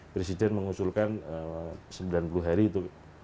presiden mengusulkan sembilan puluh hari itu